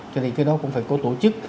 cho nên cái đó cũng phải có tổ chức